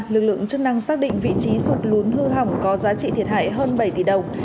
lực lượng chức năng xác định vị trí sụt lún hư hỏng có giá trị thiệt hại hơn bảy tỷ đồng